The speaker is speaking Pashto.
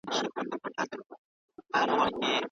هغه د خپل هېواد دفاع ته چمتو و.